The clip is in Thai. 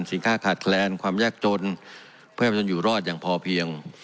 สินค้าขาดแคลนความยากจนเพื่อให้ประชาชนอยู่รอดอย่างพอเพียง